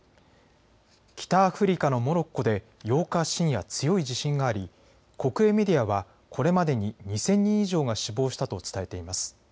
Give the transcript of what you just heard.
北アフリカのモロッコで８日深夜、強い地震があり国営メディアはこれまでに２０００人以上が死亡したと伝えています。